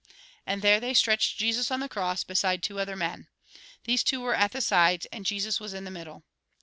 And there they stretched Jesus on the cross, beside two other men. These two were at the sides, and Jesus was in the middle.